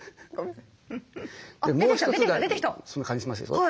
そんな感じしますでしょ？